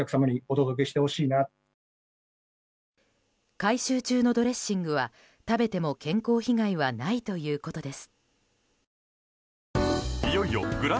回収中のドレッシングは食べても健康被害はないということです。